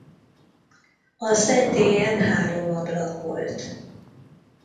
A szentélyen három ablak volt.